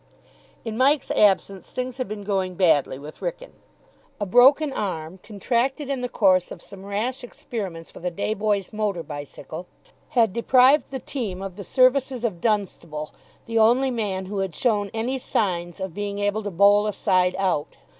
In Mike's absence things had been going badly with Wrykyn. A broken arm, contracted in the course of some rash experiments with a day boy's motor bicycle, had deprived the team of the services of Dunstable, the only man who had shown any signs of being able to bowl a side out.